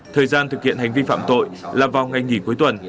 thời gian thực hiện hành vi phạm tội là vào ngày nghỉ cuối tuần